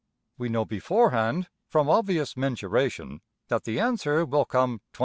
We know beforehand, from obvious mensuration, that the answer will come~$24$.